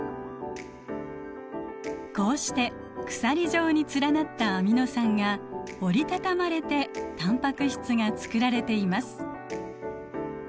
こうして鎖状に連なったアミノ酸が折り畳まれてタンパク質が作られています。